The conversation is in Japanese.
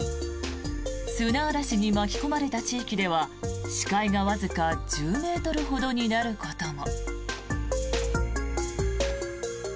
砂嵐に巻き込まれた地域では視界がわずか１０ｍほどになることも。